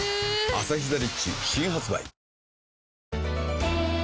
「アサヒザ・リッチ」新発売